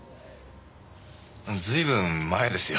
随分前ですよ。